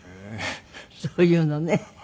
そういうのね